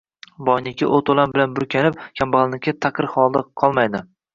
Boyniki o‘t-o‘lan bilan burkanib, kambag‘alniki taqir holda qolmaydi.